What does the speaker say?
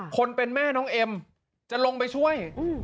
คนเป็นแม่น้องเอ็มจะลงไปช่วย